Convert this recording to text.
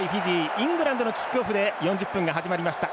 イングランドのキックオフで４０分が始まりました。